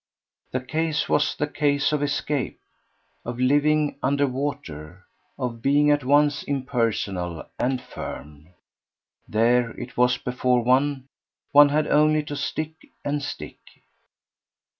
The case was the case of escape, of living under water, of being at once impersonal and firm. There it was before one one had only to stick and stick.